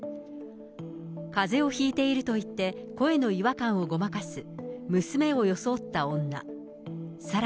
かぜをひいていると言って、声の違和感をごまかし、娘を装った女。